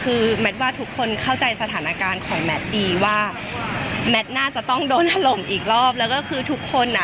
คือแมทว่าทุกคนเข้าใจสถานการณ์ของแมทดีว่าแมทน่าจะต้องโดนถล่มอีกรอบแล้วก็คือทุกคนอ่ะ